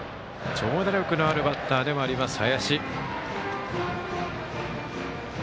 長打力のあるバッターでもあります、林。